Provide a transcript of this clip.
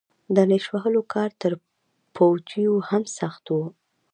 د نېش وهلو کار تر پوجيو هم سخت و.